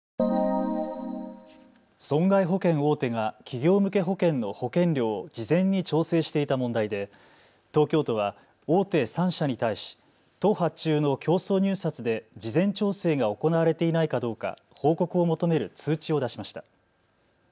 損害保険大手が企業向け保険の保険料を事前に調整していた問題で東京都は大手３社に対し都発注の競争入札で事前調整が行われていないかどうか報告を求める通知を出しました。